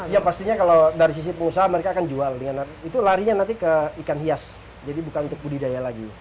ya pastinya kalau dari sisi pengusaha mereka akan jual itu larinya nanti ke ikan hias jadi bukan untuk budidaya lagi